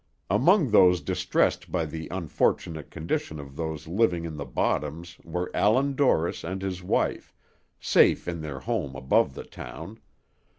Among those distressed by the unfortunate condition of those living in the bottoms were Allan Dorris and his wife, safe in their home above the town.